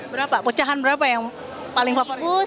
berapa pecahan berapa yang paling favorit